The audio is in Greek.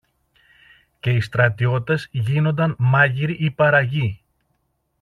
και οι στρατιώτες γίνονταν μάγειροι ή παραγιοί